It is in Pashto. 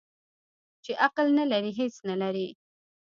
ـ چې عقل نه لري هېڅ نه لري.